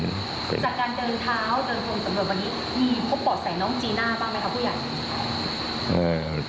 จากการเดินเท้าเดินลงสำรวจวันนี้พบเบาะแสน้องจีน่าบ้างไหมคะผู้ใหญ่